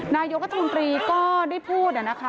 นายกรัฐมนตรีก็ได้พูดนะคะ